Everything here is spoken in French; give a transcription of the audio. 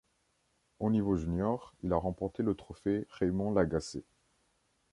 Au niveau junior, il a remporté le Trophée Raymond Lagacé.